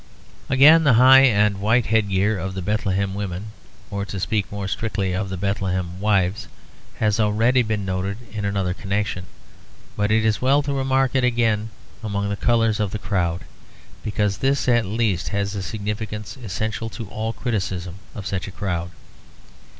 Again the high white headgear of the Bethlehem women, or to speak more strictly of the Bethlehem wives, has already been noted in another connection; but it is well to remark it again among the colours of the crowd, because this at least has a significance essential to all criticism of such a crowd.